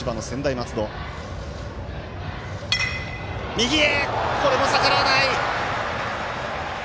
右へ、これも逆らわない。